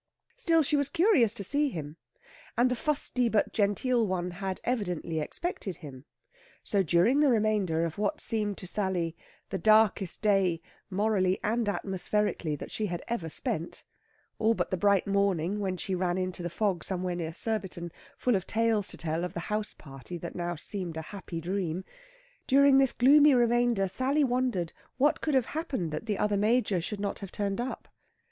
Still, she was curious to see him, and the fusty but genteel one had evidently expected him. So, during the remainder of what seemed to Sally the darkest day, morally and atmospherically, that she had ever spent all but the bright morning when she ran into the fog somewhere near Surbiton, full of tales to tell of the house party that now seemed a happy dream during this gloomy remainder Sally wondered what could have happened that the other Major should not have turned up.